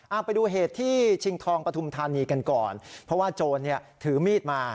เอาไปดูเหตุที่ชิงทองปฐุมธานีกันก่อนเพราะว่าโจรเนี่ยถือมีดมา